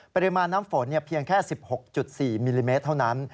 ปริมาณน้ำฝนเพียงแค่๑๖๔มิลลิเมตรเท่านั้น